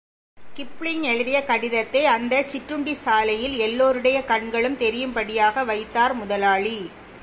Kipling எழுதிய கடிதத்தை, அந்தச் சிற்றுண்டிச் சாலையில் எல்லோருடைய கண்களுக்கும் தெரியும்படியாக வைத்தார் முதலாளி.